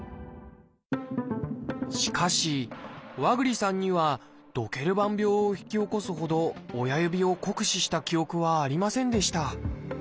しかし和栗さんにはドケルバン病を引き起こすほど親指を酷使した記憶はありませんでした。